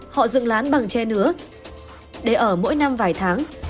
họ dựng lán bằng tre nứa để ở mỗi năm vài tháng